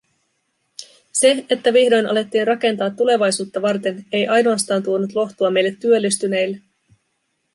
Se, että vihdoin alettiin rakentaa tulevaisuutta varten, ei ainoastaan tuonut lohtua meille työllistyneille.